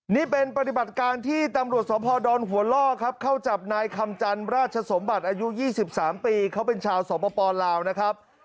นี่เป็นปฏิบัติการที่ตำรวจสพดอนหัวล่อครับเข้าจับนายคำจันราชสมบัติอายุ๒๓ปีเขาเป็นชาวสปลาวนะครับ